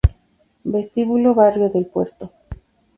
Vestíbulo Barrio del Puerto